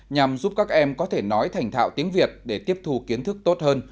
nhằm giúp các em có thể nói thành thạo tiếng việt để tiếp thù kiến thức tốt hơn